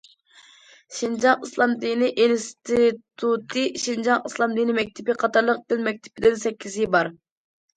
شىنجاڭ ئىسلام دىنى ئىنستىتۇتى، شىنجاڭ ئىسلام دىنى مەكتىپى قاتارلىق دىن مەكتىپىدىن سەككىزى بار.